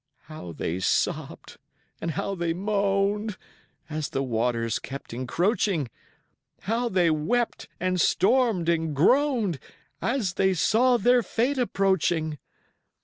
How they sobbed and how they moaned, As the waters kept encroaching! How they wept and stormed and groaned, As they saw their fate approaching!